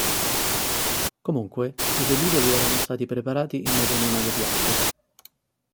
Comunque i velivoli erano stati preparati in modo non adeguato.